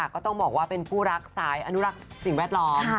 ก็ต้องบอกว่าเป็นคู่รักสายอนุรักษ์สิ่งแวดล้อม